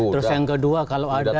terus yang kedua kalau ada